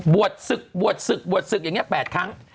ศึกบวชศึกบวชศึกอย่างนี้๘ครั้ง